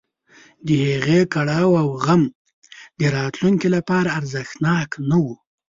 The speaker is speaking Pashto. د هغې کړاو او غم د راتلونکي لپاره ارزښتناک نه و.